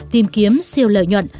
tìm kiếm siêu lợi nhuận